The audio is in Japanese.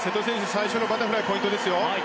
最初のバタフライポイントですよ。